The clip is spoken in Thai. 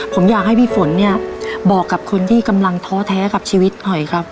ผมอยากให้พี่ฝนบอกกับคนที่เท้าให้ชีวิตได้หน่อยครับ